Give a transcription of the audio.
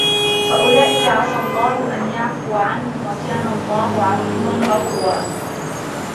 فَأُولَئِكَ عَسَى اللَّهُ أَنْ يَعْفُوَ عَنْهُمْ وَكَانَ اللَّهُ عَفُوًّا غَفُورًا